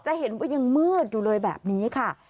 จะเห็นว่ายังมืดอยู่เลยแบบนี้ค่ะ